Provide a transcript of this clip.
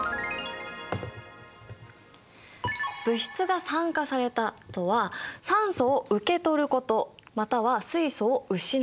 物質が「酸化された」とは酸素を受け取ることまたは水素を失うこと。